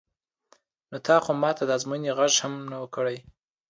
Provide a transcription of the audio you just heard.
نو تا خو ما ته د ازموینې غږ هم نه کړ.